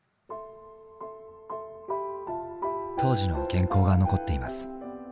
当時の原稿が残っています。